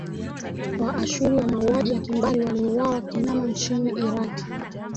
waashuri wa mauaji ya kimbari waliuawa kinyama nchini iraki